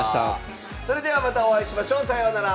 それではまたお会いしましょう。さようなら！